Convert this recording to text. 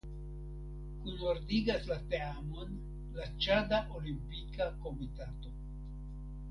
Kunordigas la teamon la Ĉada Olimpika Komitato.